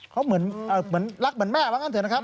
เขาเหมือนรักเหมือนแม่ว่างั้นเถอะนะครับ